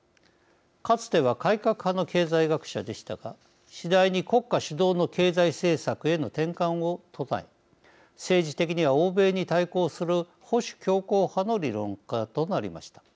かつては改革派の経済学者でしたが次第に国家主導の経済政策への転換を唱え政治的には欧米に対抗する保守強硬派の理論家となりました。